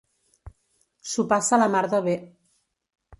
S'ho passa la mar de bé.